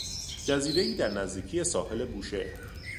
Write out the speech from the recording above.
جزیرهای در نزدیکی ساحل بوشهر